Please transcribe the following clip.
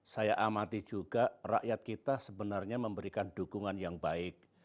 saya amati juga rakyat kita sebenarnya memberikan dukungan yang baik